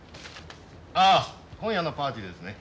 ああ今夜のパーティーですね。